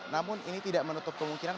namun ini tidak menutup kemungkinan